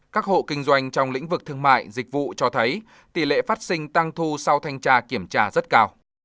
các hộ kinh doanh trong lĩnh vực thương mại dịch vụ cho thấy tỷ lệ phát sinh tăng thu sau thanh tra kiểm tra rất cao